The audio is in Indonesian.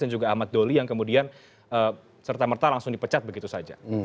dan juga ahmad dolly yang kemudian serta merta langsung dipecat begitu saja